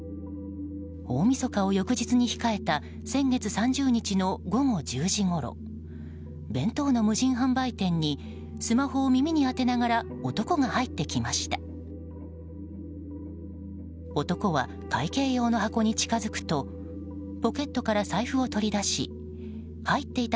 大みそかを翌日に控えた先月３０日の午後１０時ごろ弁当の無人販売店にスマホを耳に当てながら男が入ってきました。